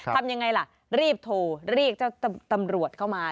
ทำยังไงล่ะรีบโทรเรียกเจ้าตำรวจเข้ามา